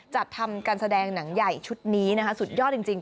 จัดทำการแสดงหนังใหญ่ชุดนี้นะคะสุดยอดจริง